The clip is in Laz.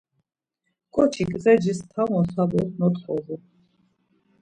Ǩoçik ğecis tamo tamo not̆ǩobu.